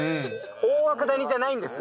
大涌谷じゃないんです